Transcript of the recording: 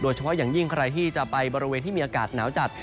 เฉพาะอย่างยิ่งใครที่จะไปบริเวณที่มีอากาศหนาวจัด